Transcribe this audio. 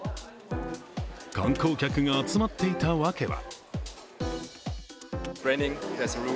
観光客が集まっていたワケは？